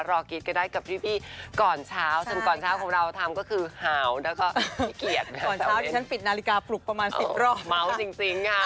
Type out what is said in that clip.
ส่วนเอ็มพี่วันที่สิบเก้าพฤษฎิกาอย่างนี้นะครับ